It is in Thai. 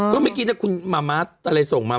ก็เมื่อกี้คุณมามัสอะไรส่งมา